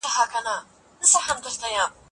دا څېړنه به ستا په پوهه کي ډېر زیاتوالی راولي.